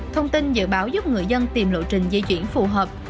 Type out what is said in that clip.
thông tin dự báo giúp người dân tìm lộ trình di chuyển phù hợp